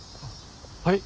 はい。